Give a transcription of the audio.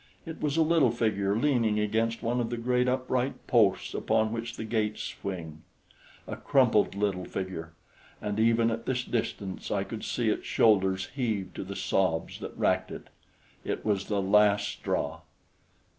It was a little figure leaning against one of the great upright posts upon which the gates swing a crumpled little figure; and even at this distance I could see its shoulders heave to the sobs that racked it. It was the last straw.